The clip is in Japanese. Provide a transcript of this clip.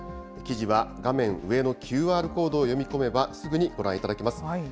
記事は画面上のＱＲコードを読み込めばすぐにご覧いただけます。